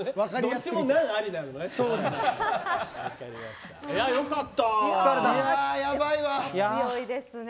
どっちも難ありなんですね。